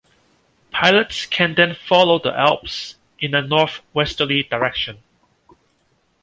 Pilots can then follow the Alps in a north-westerly direction.